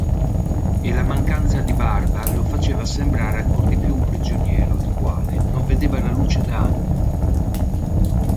E la mancanza di barba lo faceva sembrare ancora di più un prigioniero il quale non vedeva la luce da anni.